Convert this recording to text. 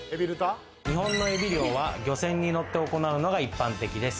日本のエビ漁は、漁船に乗って行うのが一般的です。